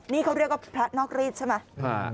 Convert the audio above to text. นี่เขาเรียกว่าพระนอกฤทธิ์ใช่มั้ย